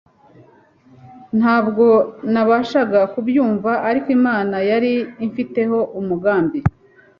ntabwo nabashaga kubyumva ariko Imana yari imfiteho umugambi,